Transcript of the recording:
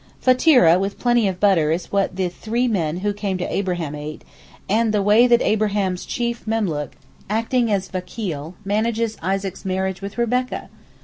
Fateereh with plenty of butter is what the 'three men' who came to Abraham ate; and the way that Abraham's chief memlook, acting as Vakeel, manages Isaac's marriage with Rebekah!